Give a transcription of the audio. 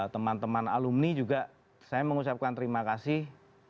teman teman alumni juga saya mengucapkan terima kasih